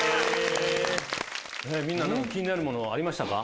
みんな気になるものありましたか？